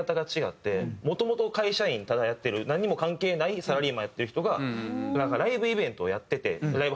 もともと会社員ただやってる何も関係ないサラリーマンやってる人がライブイベントをやっててライブハウスで。